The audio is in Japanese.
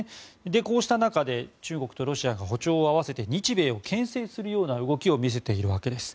こうした中で中国とロシアが歩調を合わせて日米をけん制するような動きを見せているわけです。